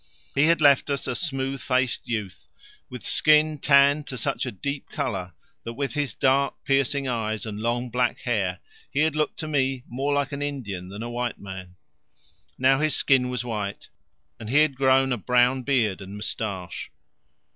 He had left us as a smooth faced youth, with skin tanned to such a deep colour that with his dark piercing eyes and long black hair he had looked to me more like an Indian than a white man. Now his skin was white, and he had grown a brown beard and moustache.